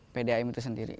pdam itu sendiri